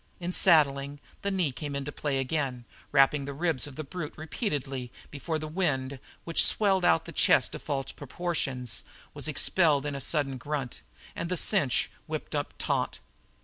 In saddling, the knee came into play again, rapping the ribs of the brute repeatedly before the wind, which swelled out the chest to false proportions, was expelled in a sudden grunt, and the cinch whipped up taut.